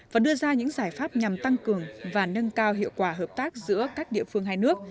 và đưa ra những giải pháp nhằm tăng cường và nâng cao hiệu quả hợp tác giữa các địa phương hai nước